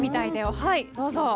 はい、どうぞ。